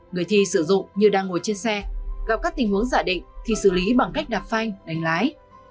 người thi sử dụng như đang ngồi trên xe gặp các tình huống giả định thì xử lý bằng cách đạp phanh đánh lái